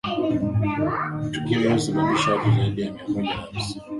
tukio lililo sababisha watu zaidi ya mia moja na hamsini